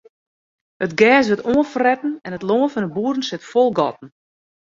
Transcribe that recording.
It gers wurdt oanfretten en it lân fan de boeren sit fol gatten.